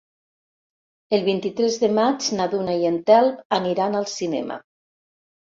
El vint-i-tres de maig na Duna i en Telm aniran al cinema.